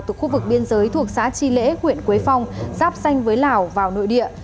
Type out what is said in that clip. từ khu vực biên giới thuộc xã tri lễ huyện quế phong giáp xanh với lào vào nội địa